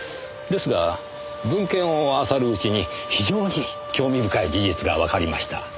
ですが文献をあさるうちに非常に興味深い事実がわかりました。